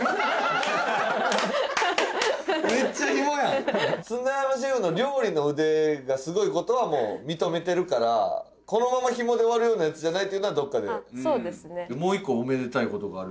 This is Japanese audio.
めっちゃヒモやん砂山シェフの料理の腕がすごいことはもう認めてるからこのままヒモで終わるようなやつじゃないっていうのはどっかであっそうですねあら？